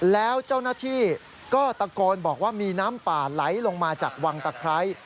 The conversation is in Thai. แล้วเจ้าหน้าที่ก็ตะโกนบอกว่ามีน้ำป่าไหลลงมาจากวังตะไคร้